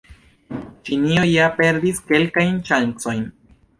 Ĉinio ja perdis kelkajn ŝancojn.